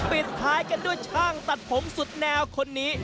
ปิดท้ายกันด้วยช่างตัดผมสุดแนวคนนี้